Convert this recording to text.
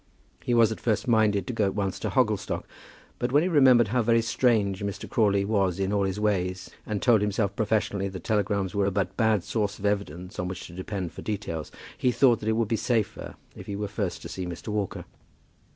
He was at first minded to go at once out to Hogglestock; but when he remembered how very strange Mr. Crawley was in all his ways, and told himself professionally that telegrams were but bad sources of evidence on which to depend for details, he thought that it would be safer if he were first to see Mr. Walker.